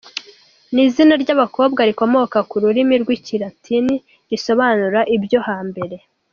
Ni izina ry’abakobwa rikomoka ku rurimi rw’Ikilatini risobanura “ibyo hambere”.